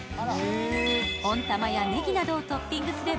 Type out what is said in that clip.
温玉やねぎなどをトッピングすれ